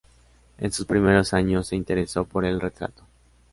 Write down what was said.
En sus primeros años se interesó por el retrato.